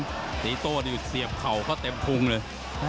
ติโตสี๗๓เดียวกับเข่าก็เสียบเข่าก็เด็มพุงเลย